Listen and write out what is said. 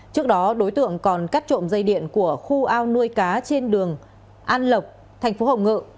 trước đó đối tượng còn cắt trộm dây điện của khu ao nuôi cá trên đường an lộc thành phố hồng ngự